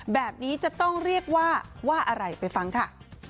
แบบนี้จะต้องเรียกว่าว่าอะไรไปฟังค่ะ